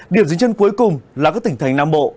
điểm dính chân cuối cùng là các tỉnh thành nam bộ